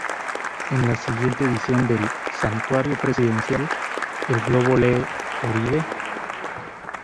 En la siguiente edición del "Santuario Presidencial" el globo lee "¿Uribe?